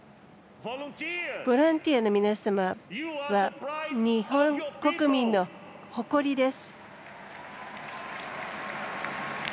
ボランティアの皆様は日本国民の誇りです。